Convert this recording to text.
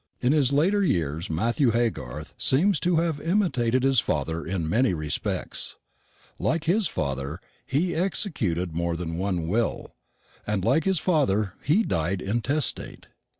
In his later years Matthew Haygarth seems to have imitated his father in many respects. Like his father, he executed more than one will; and, like his father, he died intestate.